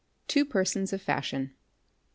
Two Persons of Fashion.